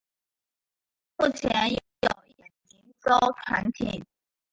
目前有一百零五艘船艇。